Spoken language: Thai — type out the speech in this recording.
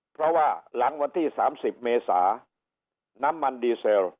เพราะว่าหลังวันที่๓๐เมษาน้ำมันดีเซล